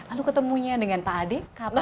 lalu ketemunya dengan pak ade